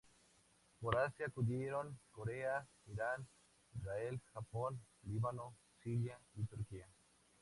Por Asia acudieron Corea, Irán, Israel, Japón, Líbano, Siria y Turquía.